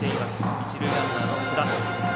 一塁ランナーの津田。